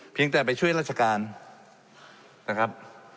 เพียงแต่ไปช่วยราชการนะครับ